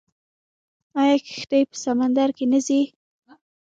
آیا کښتۍ په سمندر کې نه ځي؟